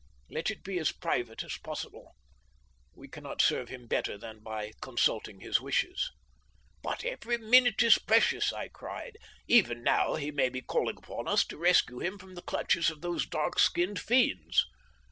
Let it be as private as possible. We cannot serve him better than by consulting his wishes.' "'But every minute is precious,' I cried. 'Even now he may be calling upon us to rescue him from the clutches of those dark skinned fiends.'